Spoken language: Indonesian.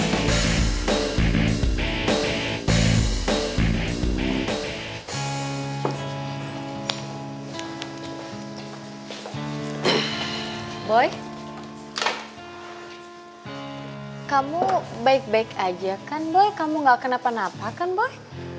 eh kamu baik baik aja kan boy kamu gak kenapa napa kan boy